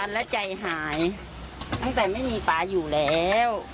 ตั้งแต่ไม่มีปลาอยู่แล้วตั้งแต่ไม่มีปลาอยู่แล้ว